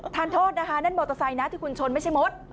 ทานโทษนะคะนั่นมอเตอร์ไซค์นะที่คุณชนไม่ใช่มด